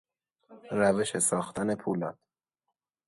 روش ساختن پولاد